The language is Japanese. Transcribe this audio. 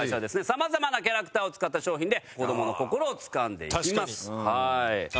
さまざまなキャラクターを使った商品で子どもの心をつかんでいきます。